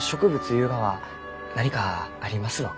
ゆうがは何かありますろうか？